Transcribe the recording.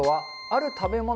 ある食べ物？